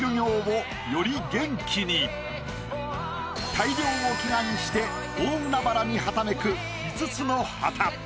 大漁を祈願して大海原にはためく５つの旗。